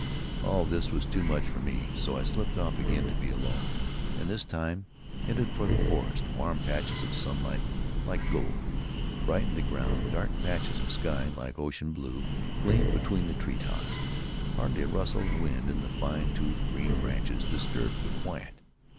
All this was too much for me, so I slipped off again to be alone, and this time headed for the forest. Warm patches of sunlight, like gold, brightened the ground; dark patches of sky, like ocean blue, gleamed between the treetops. Hardly a rustle of wind in the fine toothed green branches disturbed the quiet.